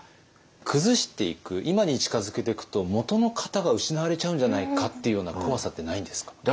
崩していく今に近づけてくともとの型が失われちゃうんじゃないかっていうような怖さってないんですか？